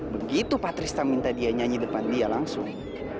begitu patrista minta dia nyanyi depan dia langsung